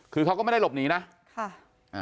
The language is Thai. คือเขาก็ไม่ได้หลบหนีนะค่ะอ่า